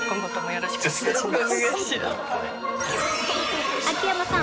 よろしくお願いします。